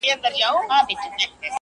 • چي سترگو ته يې گورم، وای غزل لیکي.